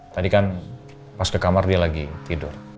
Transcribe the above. tadi kan pas ke kamar dia lagi tidur